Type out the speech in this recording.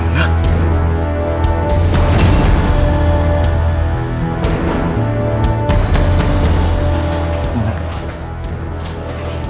sampai jumpa di video selanjutnya